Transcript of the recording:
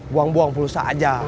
buang buang pulsa aja